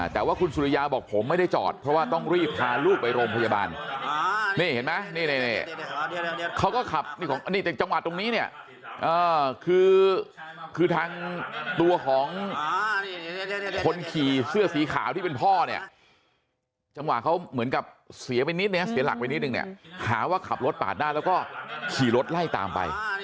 แต่ว่าคุณสุริยาบอกผมไม่ได้จอดเพราะว่าต้องรีบพาลูกไปโรงพยาบาลนี่เห็นไหมนี่เขาก็ขับจังหวะตรงนี้เนี่ยคือทางตัวของคนขี่เสื้อสีขาวที่เป็นพ่อเนี่ยจังหวะเขาเหมือนกับเสียไปนิดนึงเสียหลักไปนิดนึงเนี่ยหาว่าขับรถปาดหน้าแล้วก็ขี่รถไล่ตามไป